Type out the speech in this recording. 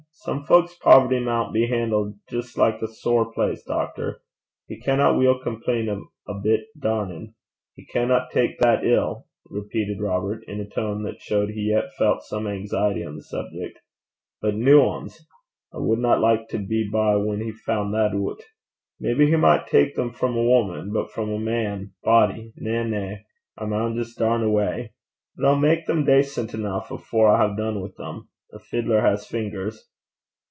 Some fowk's poverty maun be han'let jist like a sair place, doctor. He canna weel compleen o' a bit darnin'. He canna tak that ill,' repeated Robert, in a tone that showed he yet felt some anxiety on the subject; 'but new anes! I wadna like to be by whan he fand that oot. Maybe he micht tak them frae a wuman; but frae a man body! na, na; I maun jist darn awa'. But I'll mak them dacent eneuch afore I hae dune wi' them. A fiddler has fingers.'